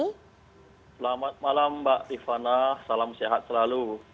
selamat malam mbak rifana salam sehat selalu